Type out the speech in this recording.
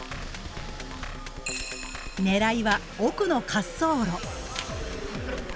狙いは奥の滑走路。